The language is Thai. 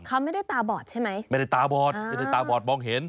เขาไม่ได้ตาบอดใช่ไหมไม่ได้ตาบอดไม่ได้ตาบอดมองเห็น